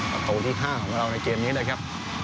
ประตูที่๕ของเราในเกมนี้เลยครับ